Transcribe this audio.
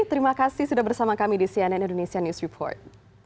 terima kasih sudah bersama kami di cnn indonesia news report